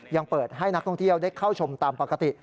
ยังเปิดให้นักท่องเที่ยวได้เข้าชมตามปกติ